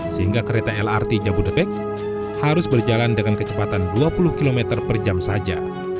sehingga kereta lrt jabodebek harus berjalan dengan kecepatan dua puluh km per jam saja